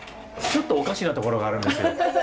ちょっとおかしなところがあるんですよ。